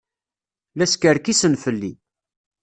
La skerkisen fell-i.